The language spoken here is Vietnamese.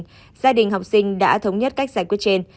gia đình học sinh đã thống nhất cách giải quyết trên